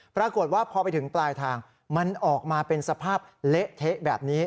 ปรากฏว่าพอไปถึงปลายทางมันออกมาเป็นสภาพเละเทะแบบนี้